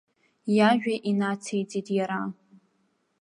Иажәа инациҵеит иара.